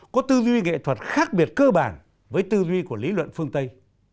có tư duy nghệ thuật khác biệt cơ bản với tư duy của lý luận phương tây